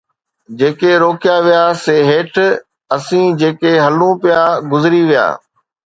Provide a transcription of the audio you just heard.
جيڪي روڪيا ويا سي هيٺ، اسين جيڪي هلون پيا گذري ويا